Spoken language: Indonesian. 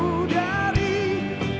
lebih dari ini